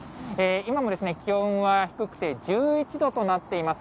今も気温は低くて、１１度となっています。